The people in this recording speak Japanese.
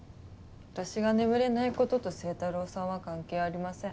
私が眠れない事と星太郎さんは関係ありません。